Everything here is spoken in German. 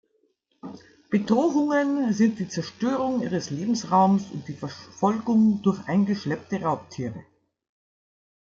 Bedrohungen sind die Zerstörung ihres Lebensraums und die Verfolgung durch eingeschleppte Raubtiere.